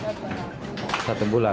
satu bulan mau ada pemberitahuan